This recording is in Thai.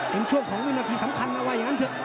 เป็นช่วงของวินาทีสำคัญนะว่าอย่างนั้นเถอะ